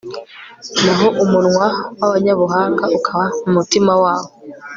naho umunwa w'abanyabuhanga ukaba mu mutima wabo